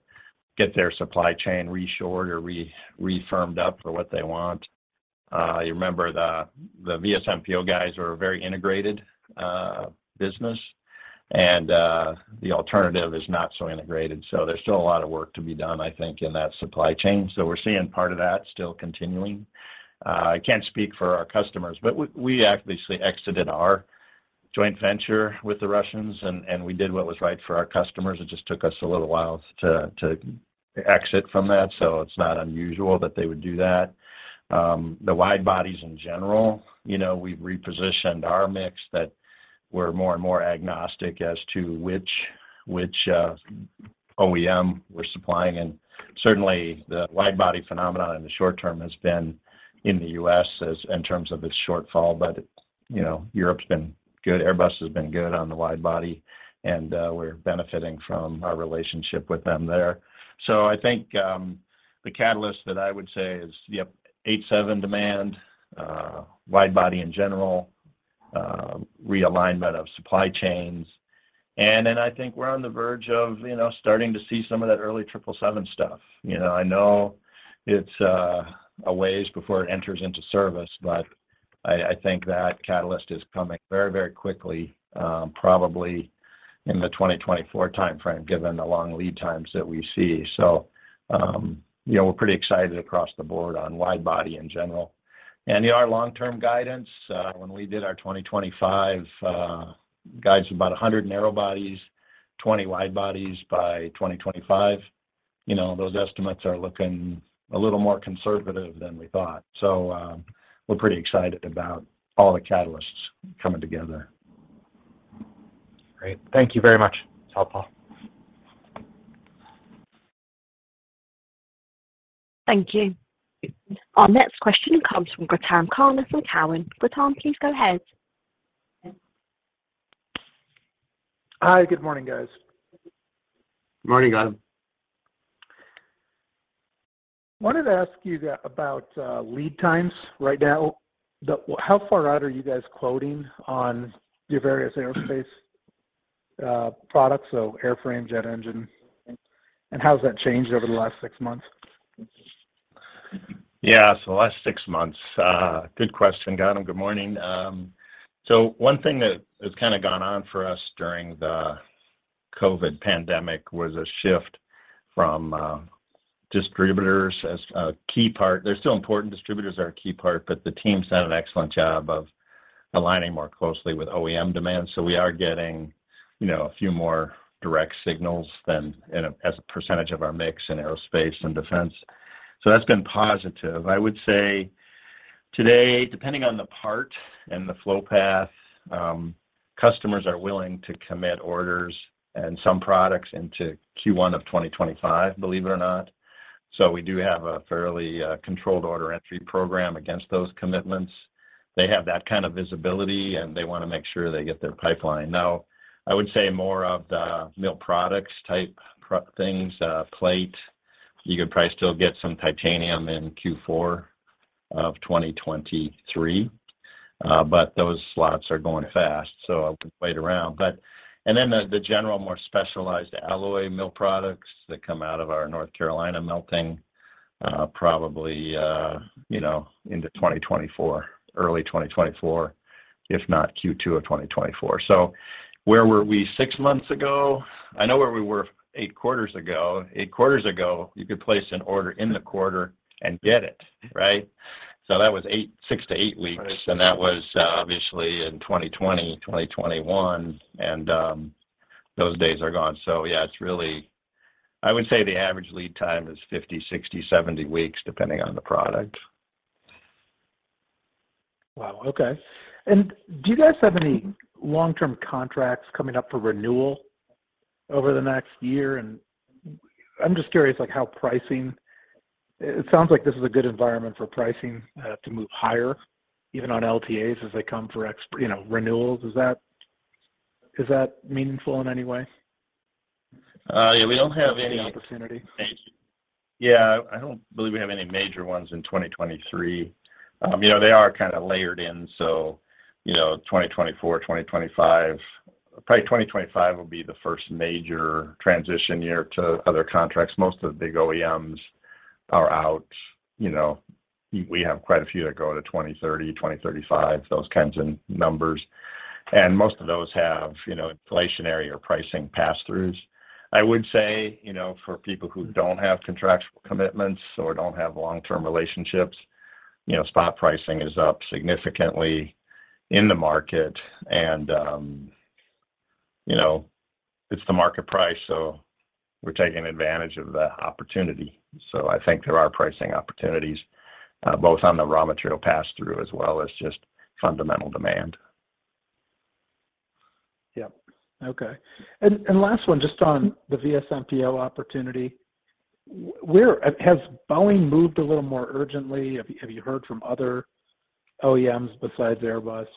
C: get their supply chain reshored or re-refirmed up for what they want. You remember the VSMPO guys are a very integrated business, and the alternative is not so integrated, so there's still a lot of work to be done, I think, in that supply chain. We're seeing part of that still continuing. I can't speak for our customers, we obviously exited our joint venture with the Russians and we did what was right for our customers. It just took us a little while to exit from that, so it's not unusual that they would do that. The wide bodies in general, you know, we've repositioned our mix that we're more and more agnostic as to which OEM we're supplying. Certainly the wide body phenomenon in the short term has been in the U.S. as in terms of its shortfall. You know, Europe's been good, Airbus has been good on the wide body, and we're benefiting from our relationship with them there. I think the catalyst that I would say is, yep, 87 demand, wide body in general, realignment of supply chains. I think we're on the verge of, you know, starting to see some of that early 777 stuff. You know, I know it's a ways before it enters into service, but I think that catalyst is coming very, very quickly, probably in the 2024 timeframe, given the long lead times that we see. You know, we're pretty excited across the board on wide-body in general. You know, our long-term guidance when we did our 2025 guides about 100 narrow-bodies, 20 wide-bodies by 2025, you know, those estimates are looking a little more conservative than we thought. We're pretty excited about all the catalysts coming together.
G: Great. Thank you very much, Bob.
A: Thank you. Our next question comes from Grattan Connor from TD Cowen. Grattan, please go ahead.
H: Hi. Good morning, guys.
C: Morning, Grattan.
H: Wanted to ask you about lead times right now. How far out are you guys quoting on your various aerospace products, so airframe, jet engine, and how has that changed over the last six months?
C: Yeah, the last six months, good question, Grattan. Good morning. One thing that has kind of gone on for us during the COVID pandemic was a shift from distributors as a key part. They're still important, distributors are a key part, but the team's done an excellent job of aligning more closely with OEM demand. We are getting, you know, a few more direct signals than as a percentage of our mix in aerospace and defense. That's been positive. I would say today, depending on the part and the flow path, customers are willing to commit orders and some products into Q1 of 2025, believe it or not. We do have a fairly controlled order entry program against those commitments. They have that kind of visibility, and they want to make sure they get their pipeline. I would say more of the mill products type things, plate, you could probably still get some titanium in Q4 of 2023. Those slots are going fast, I wouldn't wait around. And then the general more specialized alloy mill products that come out of our North Carolina melting, probably, you know, into 2024, early 2024, if not Q2 of 2024. Where were we six months ago? I know where we were eight quarters ago. Eight quarters ago, you could place an order in the quarter and get it, right? That was eight, 6-8 weeks.
H: Right.
C: That was obviously in 2020, 2021, and those days are gone. Yeah, it's really I would say the average lead time is 50, 60, 70 weeks, depending on the product.
H: Wow. Okay. Do you guys have any long-term contracts coming up for renewal over the next year? I'm just curious, like how pricing... It sounds like this is a good environment for pricing to move higher even on LTAs as they come for you know, renewals. Is that meaningful in any way?
D: Yeah. We don't have.
H: Opportunity
D: I don't believe we have any major ones in 2023. You know, they are kind of layered in, so, you know, 2024, 2025. Probably 2025 will be the 1st major transition year to other contracts. Most of the big OEMs are out. You know, we have quite a few that go to 2030, 2035, those kinds of numbers. Most of those have, you know, inflationary or pricing pass-throughs. I would say, you know, for people who don't have contractual commitments or don't have long-term relationships, you know, spot pricing is up significantly in the market and, you know, it's the market price, so we're taking advantage of the opportunity. I think there are pricing opportunities, both on the raw material pass-through as well as just fundamental demand.
H: Yep. Okay. Last one just on the VSMPO opportunity. Has Boeing moved a little more urgently? Have you heard from other OEMs besides Airbus,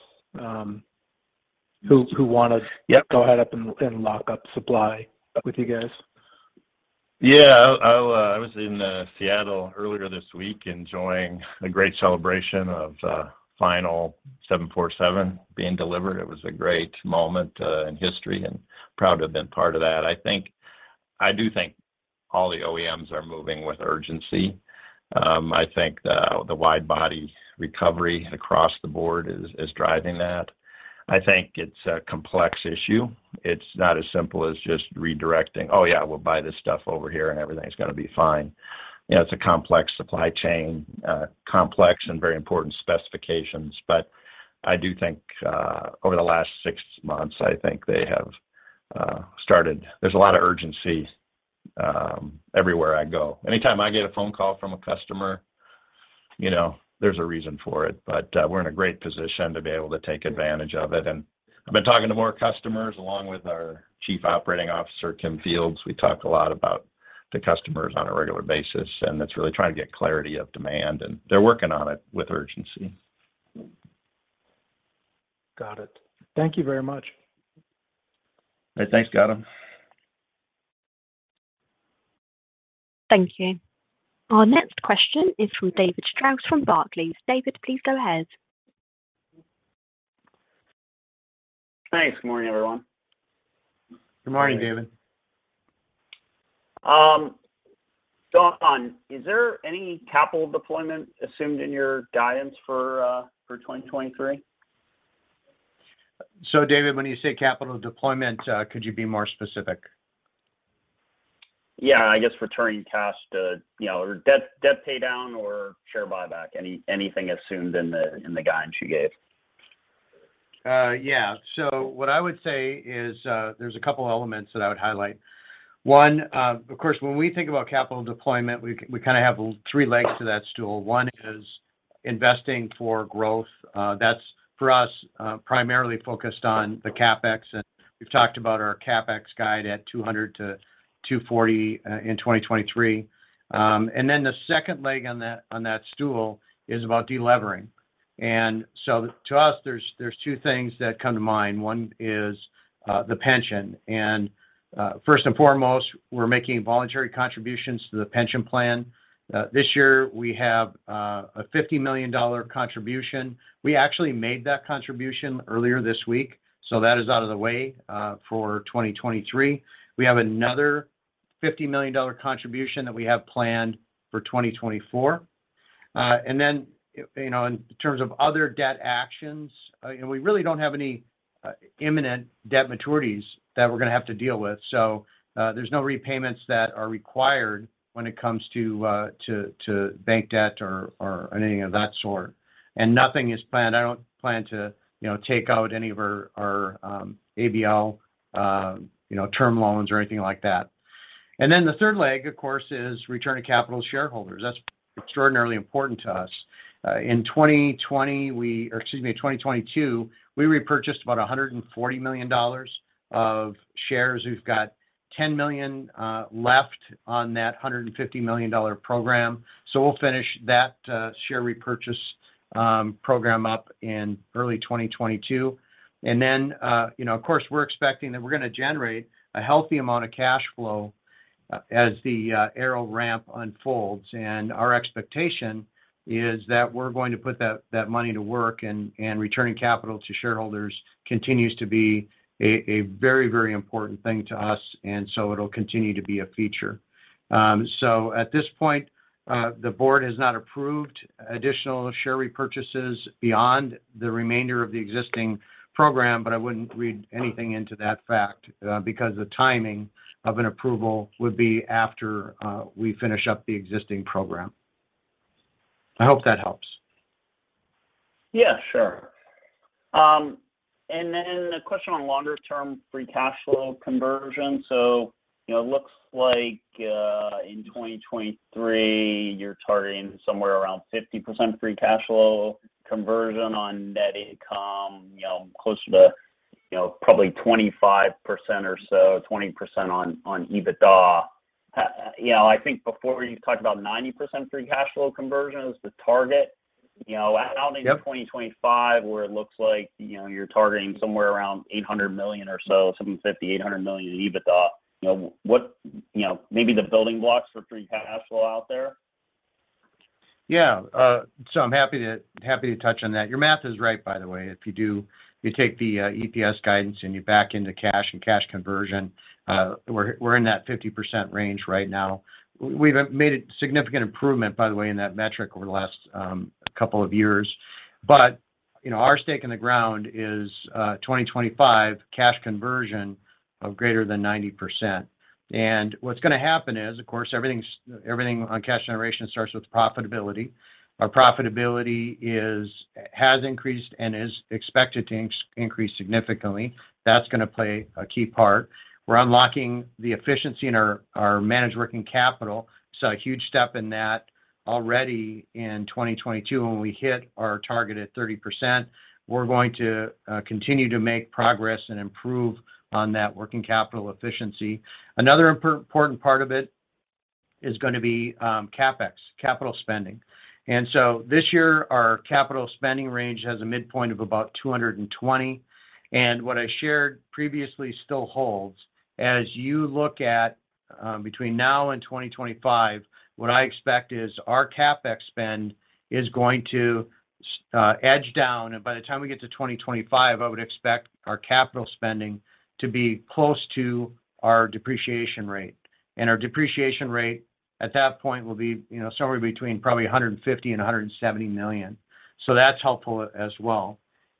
H: who want to.
D: Yep
H: Go ahead up and lock up supply with you guys?
D: Yeah. I'll, I was in Seattle earlier this week enjoying a great celebration of final 747 being delivered. It was a great moment in history and proud to have been part of that. I do think all the OEMs are moving with urgency. I think the wide body recovery across the board is driving that. I think it's a complex issue. It's not as simple as just redirecting, "Oh, yeah, we'll buy this stuff over here, and everything's gonna be fine." You know, it's a complex supply chain, complex and very important specifications. I do think, over the last 6 months, I think they have started. There's a lot of urgency, everywhere I go. Anytime I get a phone call from a customer, you know, there's a reason for it. We're in a great position to be able to take advantage of it. I've been talking to more customers along with our Chief Operating Officer, Tim Fields. We talk a lot about the customers on a regular basis, and it's really trying to get clarity of demand, and they're working on it with urgency.
H: Got it. Thank Thank you very much.
D: Hey, thanks, Gautam.
A: Thank you. Our next question is from David Strauss from Barclays. David, please go ahead.
I: Thanks. Good morning, everyone.
D: Good morning, David.
I: On, is there any capital deployment assumed in your guidance for 2023?
D: David, when you say capital deployment, could you be more specific?
I: Yeah. I guess returning cash to, you know, or debt pay down or share buyback. Anything assumed in the guidance you gave?
D: Yeah. What I would say is, there's a couple elements that I would highlight. One, of course, when we think about capital deployment, we kinda have three legs to that stool. One is investing for growth. That's for us, primarily focused on the CapEx, and we've talked about our CapEx guide at $200-$240 in 2023. Then the 2nd leg on that, on that stool is about delevering. To us, there's two things that come to mind. One is the pension. First and foremost, we're making voluntary contributions to the pension plan. This year we have a $50 million contribution. We actually made that contribution earlier this week, so that is out of the way for 2023. We have another $50 million contribution that we have planned for 2024. And then, you know, in terms of other debt actions, you know, we really don't have any imminent debt maturities that we're gonna have to deal with. There's no repayments that are required when it comes to bank debt or anything of that sort. Nothing is planned. I don't plan to, you know, take out any of our ABL, you know, term loans or anything like that. The 3rd leg, of course, is return to capital shareholders. That's extraordinarily important to us. In 2020, or excuse me, 2022, we repurchased about $140 million of shares. We've got $10 million left on that $150 million program. We'll finish that share repurchase program up in early 2022. You know, of course, we're expecting that we're gonna generate a healthy amount of cash flow as the aero ramp unfolds. Our expectation is that we're going to put that money to work, and returning capital to shareholders continues to be a very, very important thing to us, and so it'll continue to be a feature. At this point, the board has not approved additional share repurchases beyond the remainder of the existing program, but I wouldn't read anything into that fact, because the timing of an approval would be after we finish up the existing program. I hope that helps.
I: Yeah, sure. Then a question on longer term free cash flow conversion. You know, it looks like in 2023, you're targeting somewhere around 50% free cash flow conversion on net income, you know, closer to, you know, probably 25% or so, 20% on EBITDA. You know, I think before you talked about 90% free cash flow conversion as the target. You know, out into 2025 where it looks like, you know, you're targeting somewhere around $800 million or so, $750 million-$800 million EBITDA. You know, what, you know, maybe the building blocks for free cash flow out there?
D: Yeah. I'm happy to touch on that. Your math is right, by the way. If you take the EPS guidance, and you back into cash and cash conversion, we're in that 50% range right now. We've made a significant improvement, by the way, in that metric over the last couple of years. You know, our stake in the ground is 2025 cash conversion of greater than 90%. What's gonna happen is, of course, everything on cash generation starts with profitability. Our profitability has increased and is expected to increase significantly. That's gonna play a key part. We're unlocking the efficiency in our managed working capital, so a huge step in that already in 2022 when we hit our target at 30%. We're going to continue to make progress and improve on that working capital efficiency. Another important part of it is gonna be CapEx, capital spending. This year our capital spending range has a midpoint of about $220 million. What I shared previously still holds. As you look at between now and 2025, what I expect is our CapEx spend is going to edge down, and by the time we get to 2025, I would expect our capital spending to be close to our depreciation rate. Our depreciation rate at that point will be, you know, somewhere between probably $150 million-$170 million. That's helpful as well.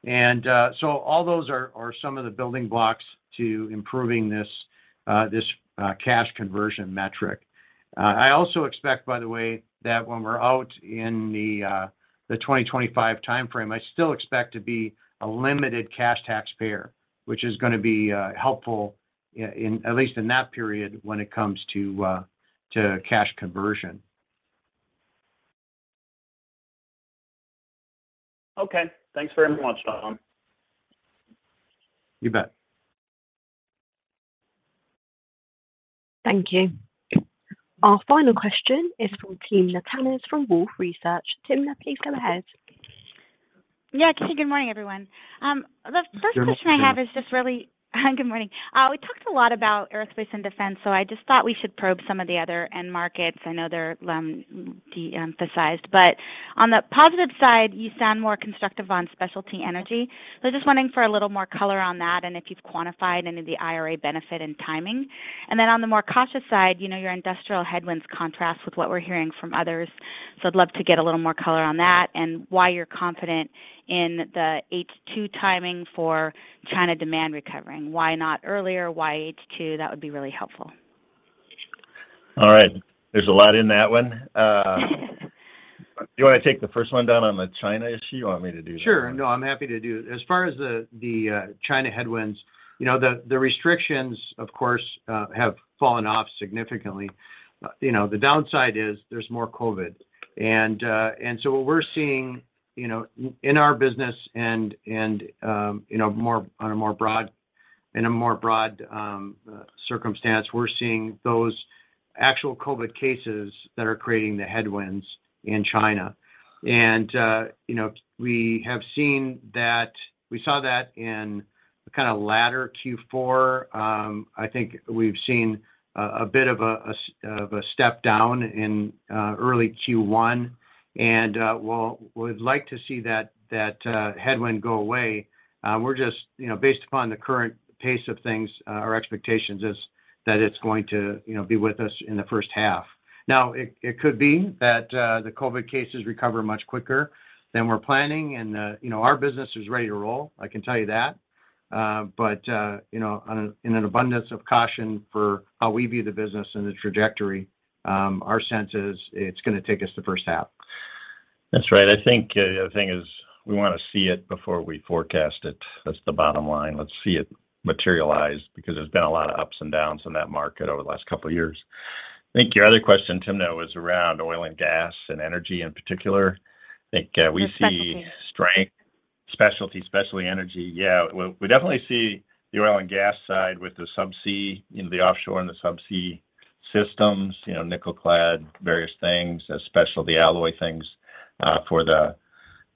D: All those are some of the building blocks to improving this cash conversion metric. I also expect, by the way, that when we're out in the 2025 timeframe, I still expect to be a limited cash taxpayer, which is gonna be helpful in, at least in that period when it comes to cash conversion.
I: Okay. Thanks very much, Tom.
D: You bet.
A: Thank you. Our final question is from Timna Tanis from Wolfe Research. Timna, please go ahead.
J: Yeah. Good morning, everyone.
D: Good morning, Timna.
J: I have is just really. Good morning. We talked a lot about aerospace and defense, so I just thought we should probe some of the other end markets. I know they're de-emphasized. On the positive side, you sound more constructive on specialty energy. Just wondering for a little more color on that and if you've quantified any of the IRA benefit and timing. On the more cautious side, you know, your industrial headwinds contrast with what we're hearing from others. I'd love to get a little more color on that and why you're confident in the H2 timing for China demand recovering. Why not earlier? Why H2? That would be really helpful.
C: All right. There's a lot in that one. You wanna take the 1st one, Don, on the China issue, you want me to do that one?
D: Sure. No, I'm happy to do. As far as the China headwinds, you know, the restrictions, of course, have fallen off significantly. You know, the downside is there's more COVID. What we're seeing, you know, in our business and, you know, on a more broad, in a more broad circumstance, we're seeing those actual COVID cases that are creating the headwinds in China. You know, we saw that in the kinda latter Q4. I think we've seen a bit of a step-down in early Q1.
C: While we'd like to see that, headwind go away, we're just, you know, based upon the current pace of things, our expectations is that it's going to, you know, be with us in the 1st half. It, it could be that the COVID cases recover much quicker than we're planning and, you know, our business is ready to roll, I can tell you that. You know, in an abundance of caution for how we view the business and the trajectory, our sense is it's gonna take us the 1st half. That's right. I think, the thing is we wanna see it before we forecast it. That's the bottom line. Let's see it materialize because there's been a lot of ups and downs in that market over the last couple years. I think your other question, Timna, was around oil and gas and energy in particular. I think.
J: The specialty....
C: strength. Specialty, specialty energy. Yeah. Well, we definitely see the oil and gas side with the subsea, you know, the offshore and the subsea systems, you know, nickel clad, various things, specialty alloy things for the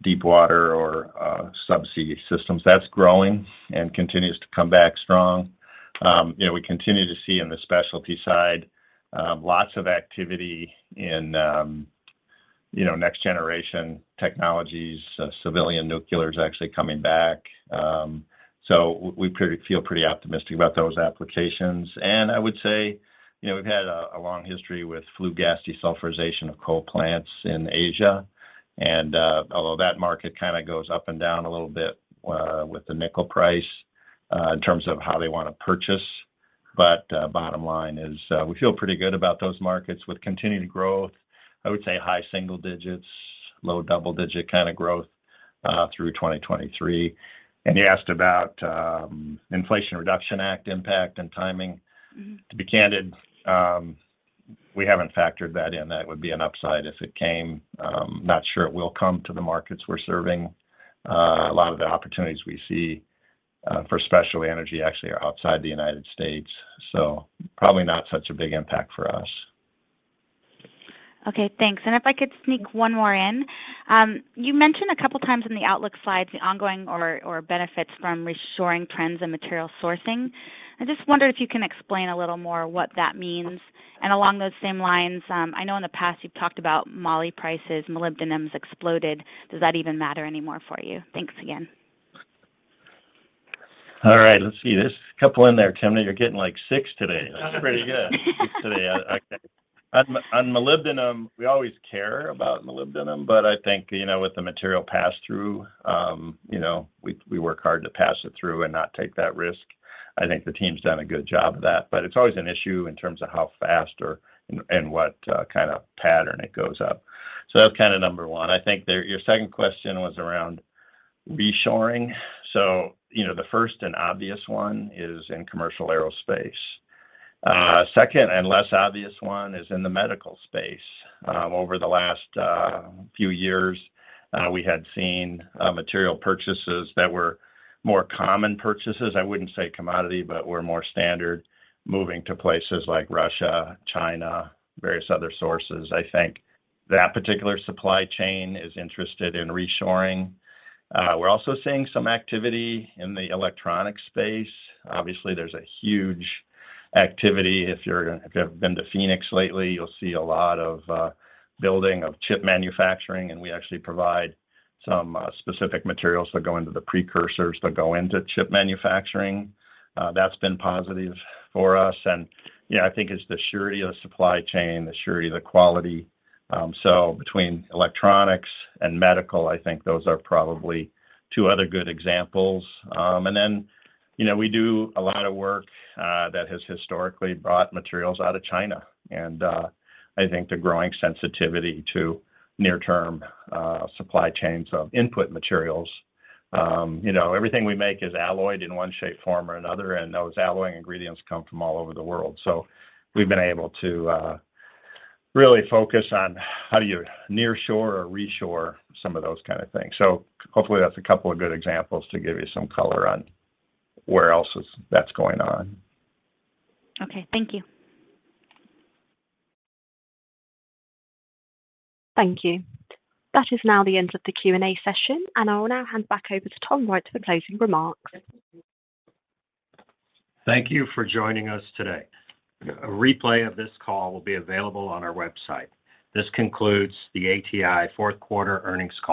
C: deep water or subsea systems. That's growing and continues to come back strong. You know, we continue to see in the specialty side, lots of activity in, you know, next generation technologies. Civilian nuclear is actually coming back. We feel pretty optimistic about those applications. I would say, you know, we've had a long history with flue-gas desulfurization of coal plants in Asia and, although that market kinda goes up and down a little bit with the nickel price, in terms of how they wanna purchase. Bottom line is, we feel pretty good about those markets with continued growth, I would say high single digits, low double-digit kinda growth, through 2023. You asked about, Inflation Reduction Act impact and timing.
J: Mm-hmm.
D: To be candid, we haven't factored that in. That would be an upside if it came. Not sure it will come to the markets we're serving. A lot of the opportunities we see for Special Energy actually are outside the United States, so probably not such a big impact for us.
J: Okay, thanks. If I could sneak one more in. You mentioned a couple of times in the outlook slides the ongoing or benefits from reshoring trends and material sourcing. I just wonder if you can explain a little more what that means. Along those same lines, I know in the past you've talked about moly prices, molybdenum has exploded. Does that even matter anymore for you? Thanks again.
C: All right. Let's see. There's a couple in there, Timna. You're getting, like, six today. That's pretty good. Six today. On molybdenum, we always care about molybdenum, I think, you know, with the material passthrough, you know, we work hard to pass it through and not take that risk. I think the team's done a good job of that. It's always an issue in terms of how fast or, and what kind of pattern it goes up. That's kinda number one. I think your 2nd question was around reshoring. You know, the 1st and obvious one is in commercial aerospace. Second and less obvious one is in the medical space. Over the last few years, we had seen material purchases that were more common purchases, I wouldn't say commodity, were more standard moving to places like Russia, China, various other sources. I think that particular supply chain is interested in reshoring. We're also seeing some activity in the electronic space. Obviously, there's a huge activity. If you're, if you've been to Phoenix lately, you'll see a lot of building of chip manufacturing, and we actually provide some specific materials that go into the precursors that go into chip manufacturing. That's been positive for us. Yeah, I think it's the surety of the supply chain, the surety of the quality. So between electronics and medical, I think those are probably two other good examples. Then, you know, we do a lot of work that has historically brought materials out of China. I think the growing sensitivity to near-term supply chains of input materials. You know, everything we make is alloyed in one shape, form, or another, and those alloying ingredients come from all over the world. We've been able to really focus on how do you nearshore or reshore some of those kind of things. Hopefully that's a couple of good examples to give you some color on where else that's going on.
J: Okay. Thank you.
A: Thank you. That is now the end of the Q&A session, and I will now hand back over to Tom Wright for the closing remarks.
B: Thank you for joining us today. A replay of this call will be available on our website. This concludes the ATI 4th quarter earnings call.